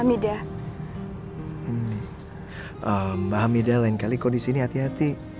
mbak hamidah lain kali kok disini hati hati